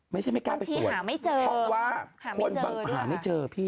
ไม่ใช่ไม่กล้าไปตรวจเพราะว่าคนบางทีหาไม่เจอ